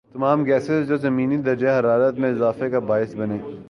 تمام گیسیں جو زمینی درجہ حرارت میں اضافے کا باعث بنیں